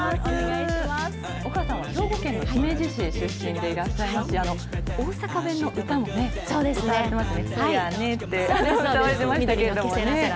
丘さんは兵庫県の姫路市出身でいらっしゃいまして、大阪弁の歌もね、歌ってますよね、せやねって歌われてましたけどね。